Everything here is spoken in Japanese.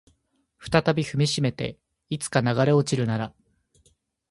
再び踏みしめていつか流れ落ちるなら